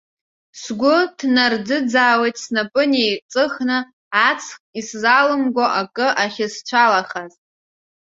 Сгәы ҭнарӡыӡаауеит снапы неиҵыхны аҵх исзалымго акы ахьысцәалахаз.